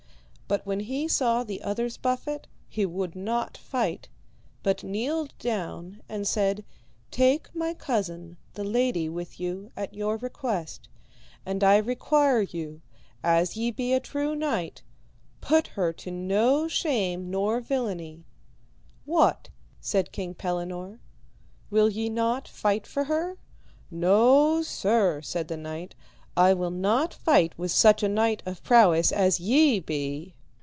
But when he saw the other's buffet, he would not fight, but kneeled down and said, Take my cousin the lady with you at your request, and I require you, as ye be a true knight, put her to no shame nor villainy. What, said King Pellinore, will ye not fight for her? No, sir, said the knight, I will not fight with such a knight of prowess as ye be.